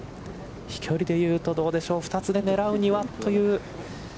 飛距離で言うとどうでしょう、２つで狙うにはという。